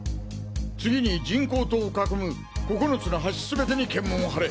次に人工島を囲む９つの橋すべてに検問を張れ！